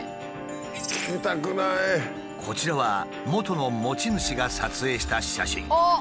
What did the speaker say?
こちらは元の持ち主が撮影した写真。